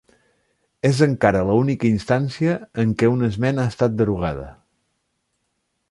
És encara l'única instància en què una esmena ha estat derogada.